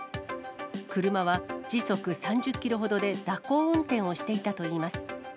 車は時速３０キロほどで蛇行運転をしていたといいます。